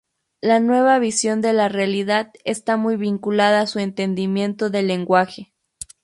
La nueva visión de la realidad está muy vinculada a su entendimiento del lenguaje.